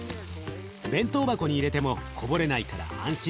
弁当箱に入れてもこぼれないから安心です。